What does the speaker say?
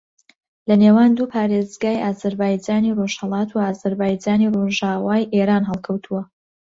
لە نێوان دوو پارێزگای ئازەربایجانی ڕۆژھەڵات و ئازەربایجانی ڕۆژاوای ئێران ھەڵکەوتووە